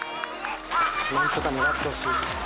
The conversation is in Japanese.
なんとか粘ってほしいです。